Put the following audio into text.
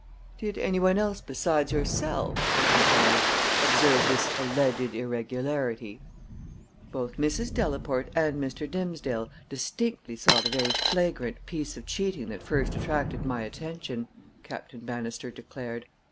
"Did any one else besides yourself," I inquired, "observe this alleged irregularity?" "Both Mrs. Delaporte and Mr. Dimsdale distinctly saw the very flagrant piece of cheating that first attracted my attention," Captain Bannister declared.